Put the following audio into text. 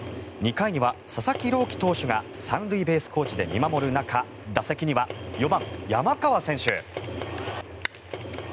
２回には佐々木朗希投手が３塁ベースコーチで見守る中打席には４番、山川選手。